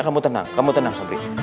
kamu tenang kamu tenang samri